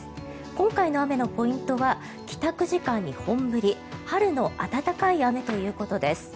今回の雨のポイントは帰宅時間に本降り春の暖かい雨ということです。